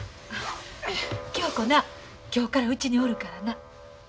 恭子な今日からうちにおるからな。